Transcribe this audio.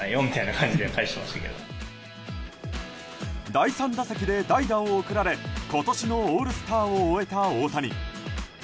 第３打席で代打を送られ今年のオールスターを終えた大谷。